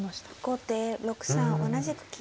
後手６三同じく金。